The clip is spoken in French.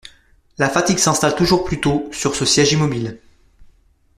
La fatigue s’installe toujours plus tôt sur ce siège immobile.